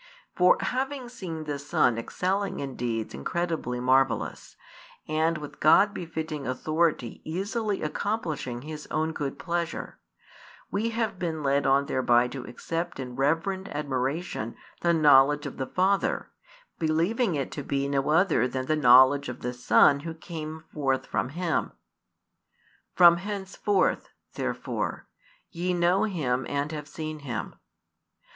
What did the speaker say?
For having seen the Son excelling in deeds incredibly marvellous, and with God befitting authority easily accomplishing His own good pleasure, we have been led on thereby to accept in reverent admiration the knowledge of the Father, believing it to be no other than the knowledge of the Son Who came forth from Him. From henceforth, therefore, ye know Him and have seen Him.